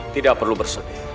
tidak perlu bersedih